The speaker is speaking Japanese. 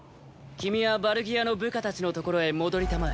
「君はバルギアの部下たちのところへ戻りたまえ」